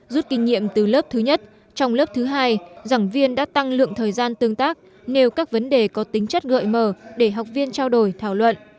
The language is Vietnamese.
rút kinh nghiệm từ lớp thứ nhất trong lớp thứ hai giảng viên đã tăng lượng thời gian tương tác nếu các vấn đề có tính chất gợi mở để học viên trao đổi thảo luận